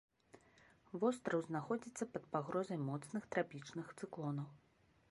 Востраў знаходзіцца пад пагрозай моцных трапічных цыклонаў.